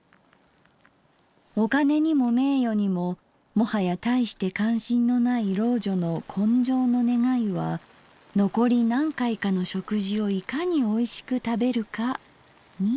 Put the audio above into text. お金にも名誉にももはやたいして関心のない老女の今生の願いは残り何回かの食事をいかにおいしく食べるかにある」。